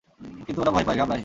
কিন্তু ওরা ভয় পায়, ঘাবড়ায়।